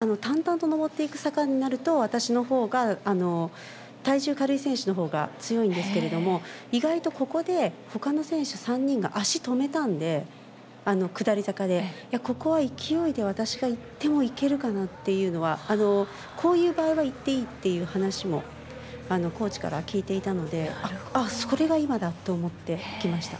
私はもっとずっと淡々と上っていく坂になると私のほうが、体重軽い選手のほうが強いんですけれども、意外とここでほかの選手３人が足を止めたんで、下り坂で、ここは勢いで私が行ってもいけるかなっていうのは、こういう場合はいっていいっていう話もコーチからは聞いていたので、それが今だと思っていきました。